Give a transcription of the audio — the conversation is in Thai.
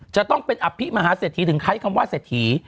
จะต้องเป็นอภิมหาเศรษฐีถึงใช้คำว่าเศรษฐี